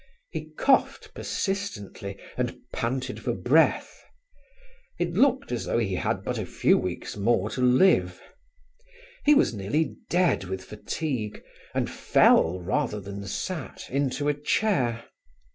He coughed persistently, and panted for breath; it looked as though he had but a few weeks more to live. He was nearly dead with fatigue, and fell, rather than sat, into a chair.